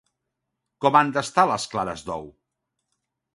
Com han d'estar les clares d'ou?